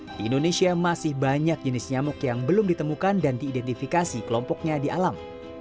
di indonesia masih banyak jenis nyamuk yang belum ditemukan dan diidentifikasi kelompoknya di alam